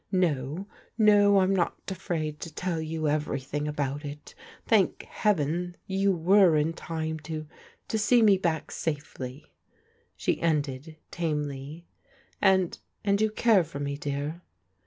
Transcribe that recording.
No, no, I'm not afraid to tdl you everythii^ aU^ut it. Thank heaven you were in time to — to see me back safely she ended tamdy. '" And— and you care for me, dear?